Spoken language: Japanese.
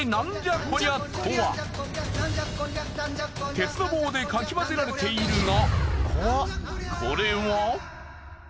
鉄の棒でかき混ぜられているが。